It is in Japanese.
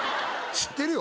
知ってるよ